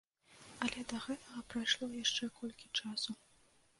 Але да гэтага прайшло яшчэ колькі часу.